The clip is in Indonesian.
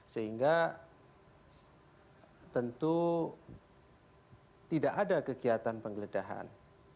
sehingga tentu tidak ada kegiatan penggeledahan